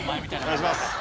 お願いします。